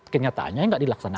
kenyataannya gak dilaksanakan